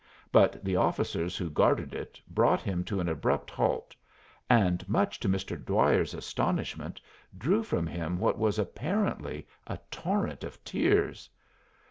But the officers who guarded it brought him to an abrupt halt, and, much to Mr. Dwyer's astonishment, drew from him what was apparently a torrent of tears.